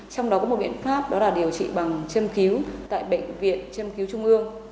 trong đó có một biện pháp đó là điều trị bằng châm cứu tại bệnh viện châm cứu trung ương